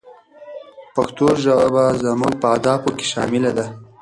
پښتو ژبه زموږ په اهدافو کې شامله ده.